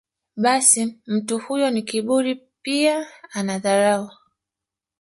basi mtu huyo ni kiburi pia ana dharau